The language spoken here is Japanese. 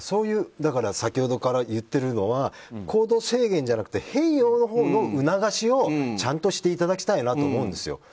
だから先ほどから言ってるのは行動制限じゃなくて変容のほうの促しをちゃんとしていただきたいなと思うんです。